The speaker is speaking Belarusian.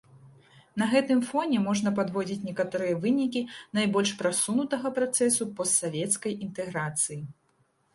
На гэтым фоне можна падводзіць некаторыя вынікі найбольш прасунутага працэсу постсавецкай інтэграцыі.